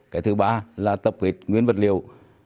cái thứ ba là tập huyết nguyên vật liệu